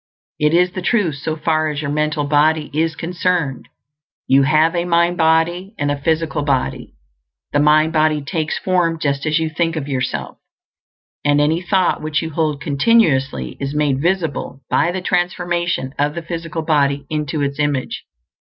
It is the truth so far as your mental body is concerned. You have a mind body and a physical body; the mind body takes form just as you think of yourself, and any thought which you hold continuously is made visible by the transformation of the physical body into its image.